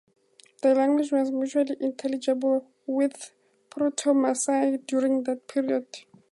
The language was mutually intelligible with Proto-Maasai during that period.